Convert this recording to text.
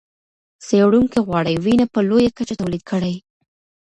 څېړونکي غواړي وینه په لویه کچه تولید کړي.